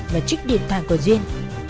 và trích điện thoại của duyên